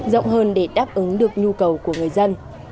rộng hơn để đáp ứng được nhu cầu của người dân